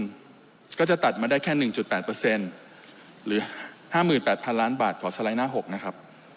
ก็จะตัดมาได้แค่๑๘หรือ๕๘๐๐ล้านบาทขอสไลด์หน้า๖นะครับ